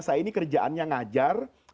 saya ini kerjaannya ngajar